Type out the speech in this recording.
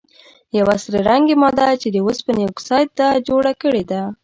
یوه سره رنګې ماده چې د اوسپنې اکسایډ ده جوړه کړي ده.